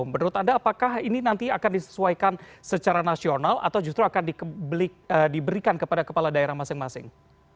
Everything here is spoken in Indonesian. menurut anda apakah ini nanti akan disesuaikan secara nasional atau justru akan diberikan kepada kepala daerah masing masing